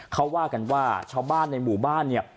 เขาว่ากันว่าชาวบ้านในหมู่บ้านเนี่ย